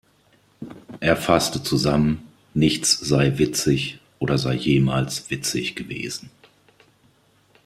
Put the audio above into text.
Er fasste zusammen, nichts sei witzig oder sei jemals witzig gewesen.